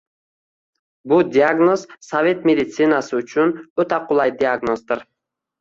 Bu diagnoz sovet meditsinasi uchun... o‘ta qulay diagnozdir.